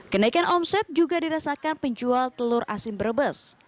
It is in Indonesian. kenaikan omset juga dirasakan penjual telur asin brebes